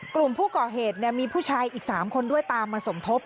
กลุ่มผู้ก่อเหตุมีผู้ชายอีก๓คนด้วยตามมาสมทบ